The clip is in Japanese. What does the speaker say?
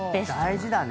大事だね。